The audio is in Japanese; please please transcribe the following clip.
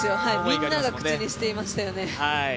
みんなが口にしていましたよね。